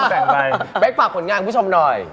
แบ็คฝากผลงานของผู้ชมหน่อย